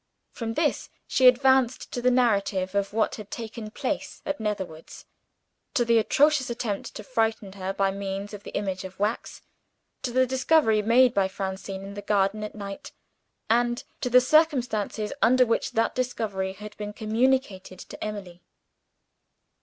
From this she advanced to the narrative of what had taken place at Netherwoods to the atrocious attempt to frighten her by means of the image of wax to the discovery made by Francine in the garden at night and to the circumstances under which that discovery had been communicated to Emily.